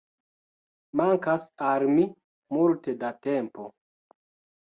Mankas al mi multe da tempo